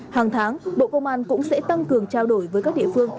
hàng tháng bộ công an cũng sẽ tăng cường trao đổi với các địa phương